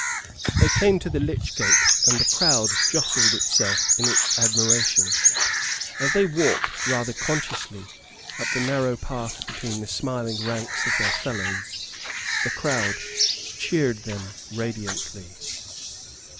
They came to the lych gate, and the crowd jostled itself in its admiration. As they walked, rather consciously, up the narrow path between the smiling ranks of their fellows the crowd cheered them radiantly.